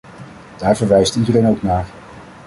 Daar verwijst iedereen ook naar.